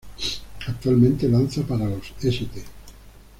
Actualmente lanza para los St.